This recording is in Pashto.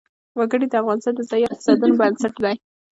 وګړي د افغانستان د ځایي اقتصادونو بنسټ دی.